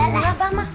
gak apa apa mak